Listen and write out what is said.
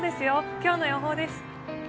今日の予報です。